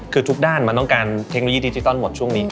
คือทุกด้านมันต้องการเทคโนโลยีดิจิตอลหมดช่วงนี้